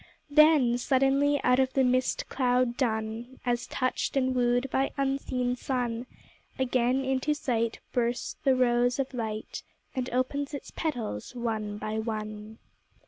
Then suddenly out of the mist cloud dun, As touched and wooed by unseen sun, Again into sight bursts the rose of light And opens its petals one by one.